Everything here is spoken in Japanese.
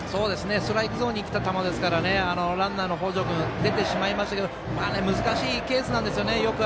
ストライクゾーンにきたボールですけどランナーの北條君出てしまいましたけど難しいケースなんですよね。